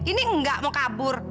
ini nggak mau kabur